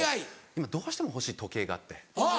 今どうしても欲しい時計があって。